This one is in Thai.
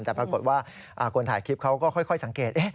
แต่ปรากฏว่าคนถ่ายคลิปเขาก็ค่อยสังเกต